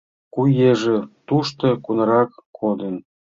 Куэже тушто кунаррак кодын?